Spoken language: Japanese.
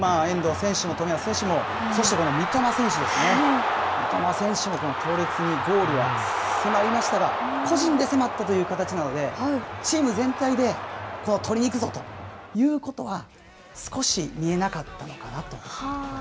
すごく遠藤選手も冨安選手も、そしてこの三笘選手ですね、三笘選手も強烈にゴールに迫りましたが、個人で迫ったという形なので、チーム全体で取りにいくぞということは、少し見えなかったのかな